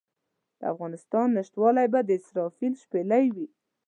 د افغانستان نشتوالی به د اسرافیل شپېلۍ وي.